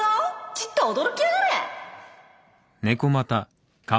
ちっとは驚きやがれ！